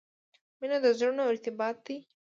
• مینه د زړونو ارتباط دی.